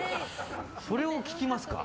それを聞きますか。